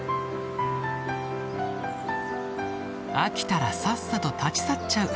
飽きたらさっさと立ち去っちゃう。